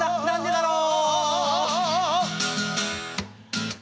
だろう